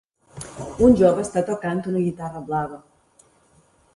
Un jove està tocant una guitarra blava